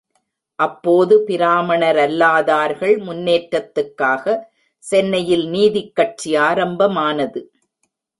அப்போது பிராமணரல்லாதார்கள் முன்னேற்றத்துக்காக சென்னையில் நீதிக் கட்சி ஆரம்பமானது.